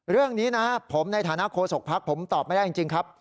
เรื่องนี้นะครับผมในฐานะโคศกภักดิ์ผมตอบไม่ได้จริงครับ